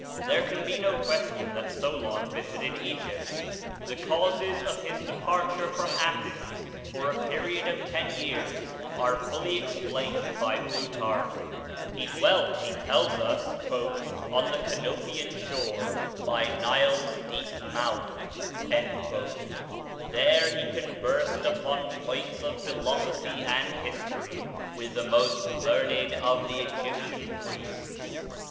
There can be no question that Solon visited Egypt. The causes of his departure from Athens, for a period of ten years, are fully explained by Plutarch. He dwelt, he tells us, "On the Canopian shore, by Nile's deep mouth." There he conversed upon points of philosophy and history with the most learned of the Egyptian priests.